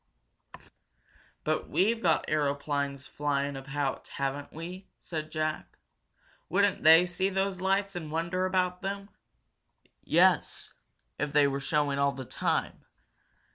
"But we've got aeroplanes flying about, haven't we?" said Jack. "Wouldn't they see those lights and wonder about them?" "Yes, if they were showing all the time.